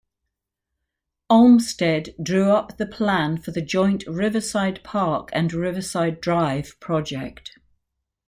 Olmsted drew up the plan for the joint Riverside Park and Riverside Drive project.